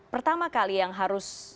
pertama kali yang harus